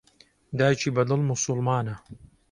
دایکی بەدڵ موسوڵمانە.